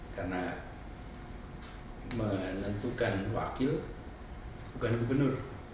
karena menentukan wakil bukan gubernur